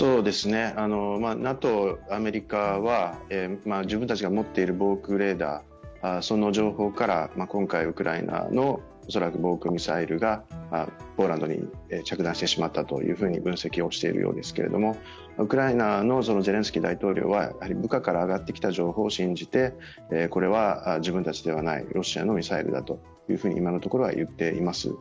ＮＡＴＯ、アメリカは自分たちが持っている防空レーダーの情報から今回、ウクライナの恐らく防空ミサイルがポーランドに着弾してしまったと分析をしているようですけども、ウクライナのゼレンスキー大統領は、部下から上がってきた情報を信じてこれは自分たちでない、ロシアのミサイルだと今のところは言っています。